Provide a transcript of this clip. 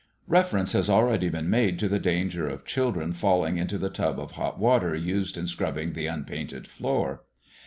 Reference has already been made to the danger of children falling into the tub of hot water used in scrubbing the unpainted floor.